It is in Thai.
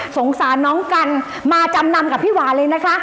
สงสารน้องกันมาจำนำกับพี่หวานเลยนะคะ